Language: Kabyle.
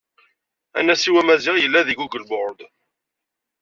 Anasiw amaziɣ yella deg Gboard.